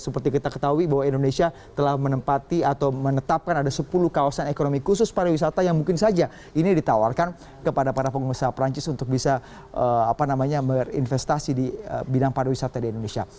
seperti kita ketahui bahwa indonesia telah menempati atau menetapkan ada sepuluh kawasan ekonomi khusus pariwisata yang mungkin saja ini ditawarkan kepada para pengusaha perancis untuk bisa berinvestasi di bidang pariwisata di indonesia